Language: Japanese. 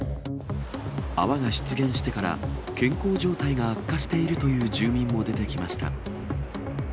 泡が出現してから、健康状態が悪化しているという住民も出てきました。